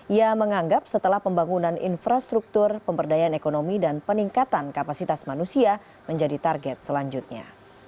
ia menganggap setelah pembangunan infrastruktur pemberdayaan ekonomi dan peningkatan kapasitas manusia menjadi target selanjutnya